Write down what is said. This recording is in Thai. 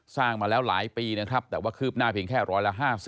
สร้างมาแล้วหลายปีนะครับแต่ว่าคืบหน้าเพียงแค่ร้อยละ๕๐